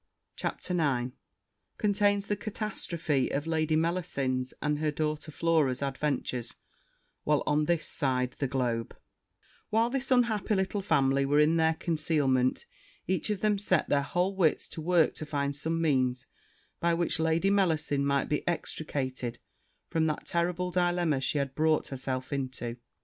CHAPTER IX Contains the catastrophe of Lady Mellasin's and her daughter Flora's adventures while on this side the globe While this unhappy little family were in their concealment, each of them set their whole wits to work to find some means by which Lady Mellasin might be extricated from that terrible dilemma she had brought herself into.